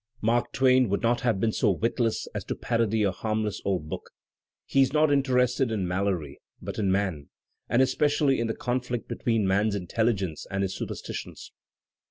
Mark Twain would not have been so witless as to parody a harmless old book; he is not interested in Malory, but in man, and especially in the conflict between man's inteUigence and his superstitions.